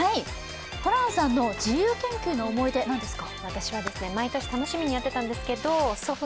ホランさんの自由研究の思い出、何ですか？